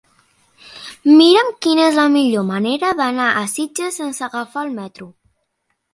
Mira'm quina és la millor manera d'anar a Sitges sense agafar el metro.